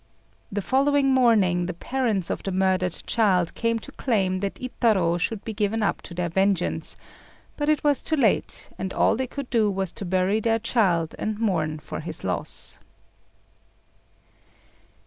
The following morning the parents of the murdered child came to claim that Itarô should be given up to their vengeance; but it was too late, and all they could do was to bury their child and mourn for his loss.